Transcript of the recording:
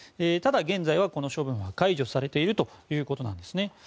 ただ、現在はこの処分は解除されているということです。